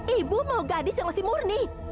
ibu mau gadis yang masih murni